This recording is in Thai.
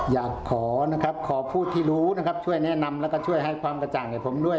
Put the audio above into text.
อยากขอนะครับขอผู้ที่รู้นะครับช่วยแนะนำแล้วก็ช่วยให้ความกระจ่างให้ผมด้วย